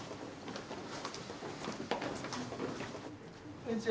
こんにちは。